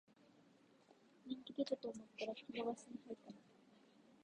人気出たと思ったら引き延ばしに入ったな